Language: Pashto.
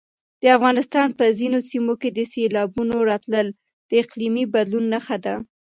د افغانستان په ځینو سیمو کې د سېلابونو راتلل د اقلیمي بدلون نښه ده.